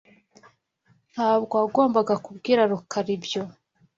Ntabwo wagombaga kubwira Rukara ibyo.